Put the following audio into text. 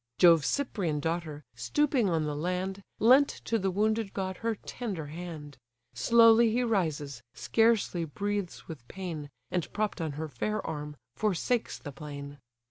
Jove's Cyprian daughter, stooping on the land, Lent to the wounded god her tender hand: Slowly he rises, scarcely breathes with pain, And, propp'd on her fair arm, forsakes the plain.